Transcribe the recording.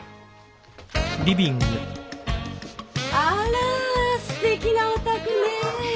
あらすてきなお宅ねえ。